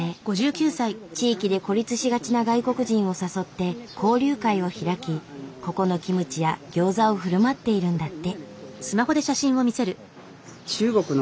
地域で孤立しがちな外国人を誘って交流会を開きここのキムチやギョーザをふるまっているんだって。